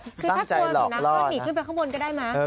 คือถ้ากลัวสุนัขก็หนีขึ้นไปข้างบนก็ได้มั้ย